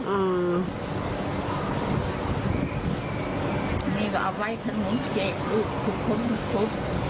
เหมือนงั้นไม่ได้เอาไว้อยู่ทั้งนู่งเห็น